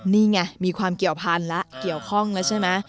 นี่มีความเกี่ยวข้องนะ